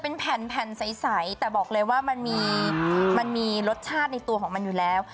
เป็นแผ่นใสแต่บอกเลยว่ามันมีรสชาติในตัวของมันอยู่แล้ว